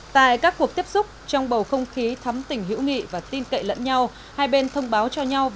tại các cuộc tiếp xúc trong bầu không khí thắm tình hữu nghị và tin cậy lẫn nhau